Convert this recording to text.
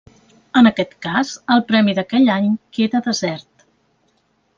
En aquest cas, el premi d'aquell any queda desert.